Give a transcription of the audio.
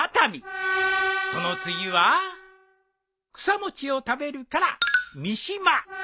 その次は草餅を食べるから三島！